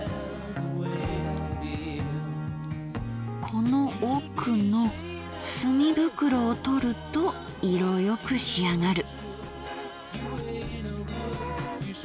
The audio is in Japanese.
この奥の墨袋を取ると色よく仕上がる。